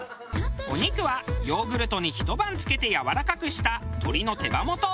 お肉はヨーグルトにひと晩漬けてやわらかくした鶏の手羽元。